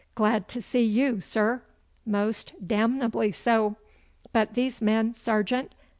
'Glad to see you, sir! Most damnably so! But these men, sergeant?